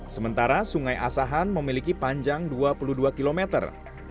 sementara sungai asahan memiliki panjang dua puluh dua kilometer